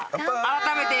改めて。